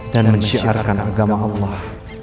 dan menciarkan agama allah